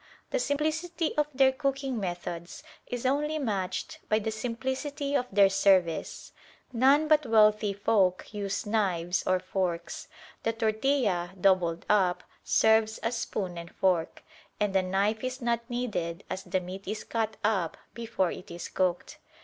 The simplicity of their cooking methods is only matched by the simplicity of their service. None but wealthy folk use knives or forks. The tortilla, doubled up, serves as spoon and fork, and a knife is not needed as the meat is cut up before it is cooked.